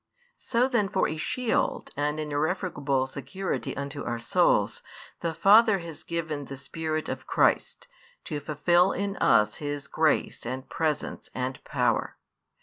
So then for a shield and an irrefragable security unto our souls, the Father has given the Spirit of Christ, to fulfil in us His grace and presence and power.